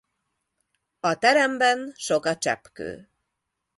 A teremben sok a cseppkő.